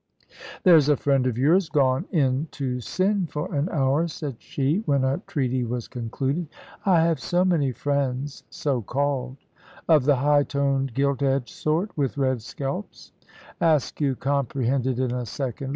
"There's a friend of yours gone in to sin for an hour," said she, when a treaty was concluded. "I have so many friends so called." "Of the high toned gilt edged sort, with red scalps?" Askew comprehended in a second.